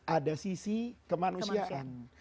ada sisi kemanusiaan